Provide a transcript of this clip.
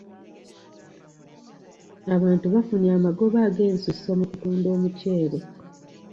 Abantu bafunye amagoba ag'ensusso mu kutunda omuceere.